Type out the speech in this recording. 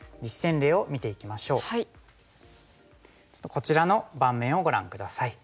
こちらの盤面をご覧下さい。